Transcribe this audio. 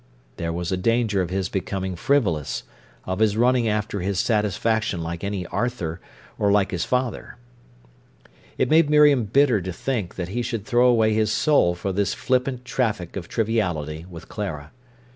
There was a danger of his becoming frivolous, of his running after his satisfaction like any Arthur, or like his father. It made Miriam bitter to think that he should throw away his soul for this flippant traffic of triviality with Clara.